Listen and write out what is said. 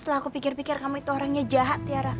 setelah aku pikir pikir kamu itu orangnya jahat tiara